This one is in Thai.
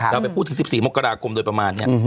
เราไปพูดถึง๑๔มกราคมโดยประมาณนี้